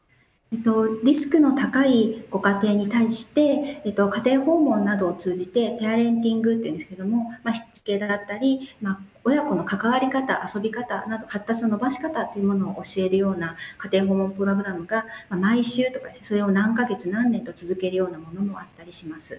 リスクの高いご家庭に対して家庭訪問などを通じて「ペアレンティング」というんですけれどもしつけだったり親子の関わり方遊び方発達の伸ばし方というものを教えるような家庭訪問プログラムが毎週とかそれを何か月何年と続けるようなものもあったりします。